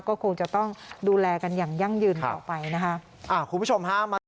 ก็คงจะต้องดูแลกันอย่างยั่งยืนต่อไปนะคะ